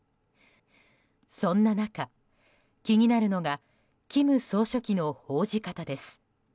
そんな中、気になるのが金総書記の報じ方です。